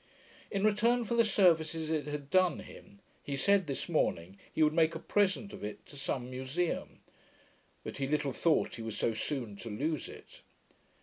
In return for the services it had done him, he said, this morning he would make a present of it to some museum; but he little thought he was so soon to lose it.